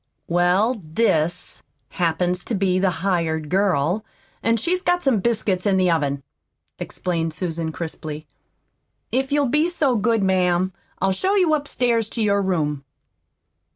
"Well, 'this' happens to be the hired girl, an' she's got some biscuits in the oven," explained Susan crisply. "If you'll be so good, ma'am, I'll show you upstairs to your room."